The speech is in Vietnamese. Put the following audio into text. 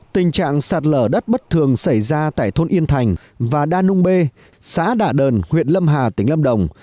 tình trạng sạt lở đất bất thường xảy ra tại thôn yên thành và đa nung bê xã đạ đờn huyện lâm hà tỉnh lâm đồng